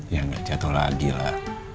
ya nggak jatuh lagi lah